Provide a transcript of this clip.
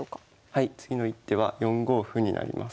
はい次の一手は４五歩になります。